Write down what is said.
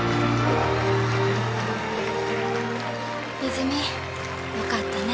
泉よかったね